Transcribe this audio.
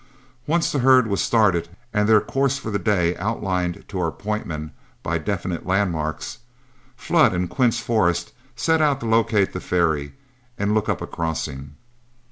Once the herd was started and their course for the day outlined to our point men by definite landmarks, Flood and Quince Forrest set out to locate the ferry and look up a crossing.